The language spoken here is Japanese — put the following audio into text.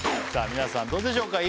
皆さんどうでしょうか？